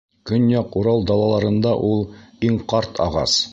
Көньяҡ Урал далаларында ул — иң ҡарт ағас.